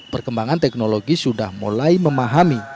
perkembangan teknologi sudah mulai memahami